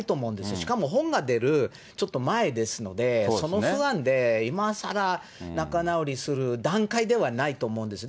しかも本が出るちょっと前ですので、その不安で、今さら仲直りする段階ではないと思うんです。